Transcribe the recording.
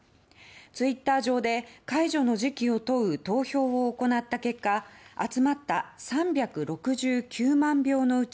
ツイッター上で解除の時期を問う投票を行った結果集まった３６９万票のうち